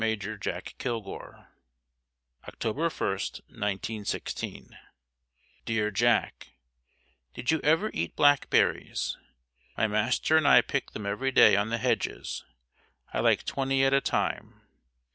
Major Jack Kilgour October 1st, 1916. Dear Jack, Did you ever eat blackberries? My master and I pick them every day on the hedges. I like twenty at a time.